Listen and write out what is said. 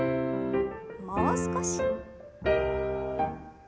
もう少し。